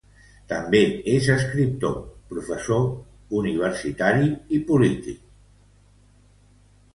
També és escriptor, professor universitari i polític català.